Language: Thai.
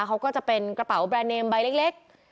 เขาก็จะเป็นกระเป๋าแบรนดเนมใบเล็ก